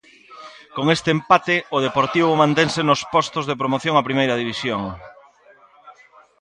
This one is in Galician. Con este empate, o Deportivo mantense nos postos de promoción a Primeira División.